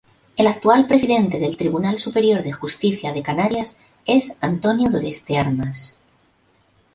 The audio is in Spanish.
El actual presidente del Tribunal Superior de Justicia de Canarias es Antonio Doreste Armas.